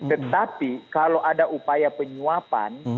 tetapi kalau ada upaya penyuapan